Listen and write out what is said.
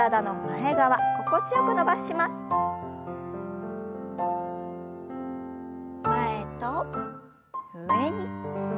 前と上に。